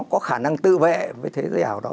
có khả năng tự vệ với thế giới ảo đó